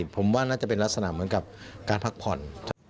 ผมว่าน่าจะเป็นลักษณะเหมือนกับการพักผ่อน